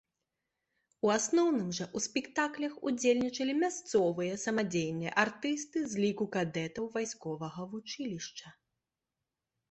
У асноўным жа ў спектаклях ўдзельнічалі мясцовыя самадзейныя артысты з ліку кадэтаў вайсковага вучылішча.